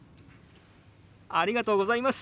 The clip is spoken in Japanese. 「ありがとうございます。